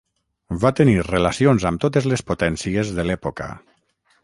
Va tenir relacions amb totes les potències de l'època.